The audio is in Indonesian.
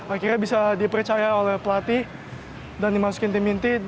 akhirnya bisa dipercaya oleh pelatih dan dimasukin tim inti